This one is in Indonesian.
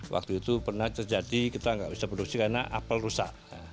waktu itu pernah terjadi kita nggak usah produksi karena apel rusak